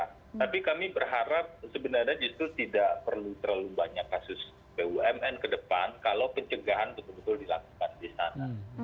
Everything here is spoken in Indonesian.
tapi kami berharap sebenarnya justru tidak perlu terlalu banyak kasus bumn ke depan kalau pencegahan betul betul dilakukan di sana